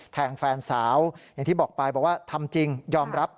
แฟนสาวอย่างที่บอกไปบอกว่าทำจริงยอมรับ